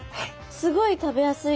すごい食べやすい。